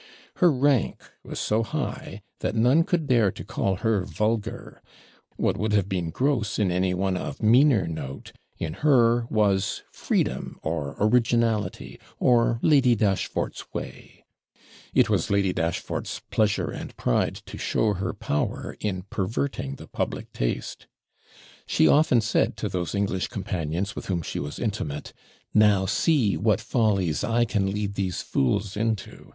Her rank was so high that none could dare to call her vulgar; what would have been gross in any one of meaner note, in her was freedom, or originality, or Lady Dashfort's way. It was Lady Dashfort's pleasure and pride to show her power in perverting the public taste. She often said to those English companions with whom she was intimate, 'Now see what follies I can lead these fools into.